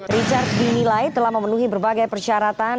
richard dinilai telah memenuhi berbagai persyaratan